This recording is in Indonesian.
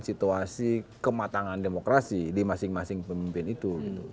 situasi kematangan demokrasi di masing masing pemimpin itu